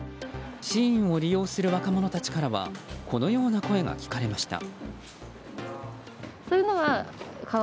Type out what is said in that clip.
ＳＨＥＩＮを利用する若者たちからはこのような声が聞かれました。